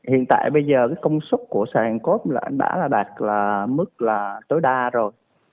hiện tại bây giờ công suất của sàn cốt đã đạt mức tối đa rồi